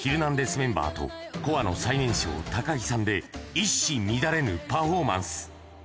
メンバーと、鼓和の最年少、高木さんで、一糸乱れぬパフォーマンス。